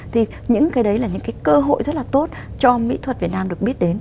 thì những cái đấy là những cái cơ hội rất là tốt cho mỹ thuật việt nam được biết đến